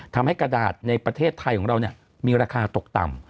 กระดาษในประเทศไทยของเรามีราคาตกต่ำ